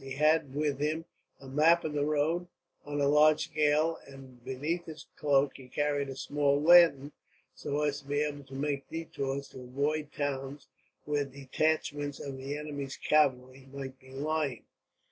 He had with him a map of the road, on a large scale; and beneath his cloak he carried a small lantern, so as to be able to make detours, to avoid towns where detachments of the enemy's cavalry might be lying.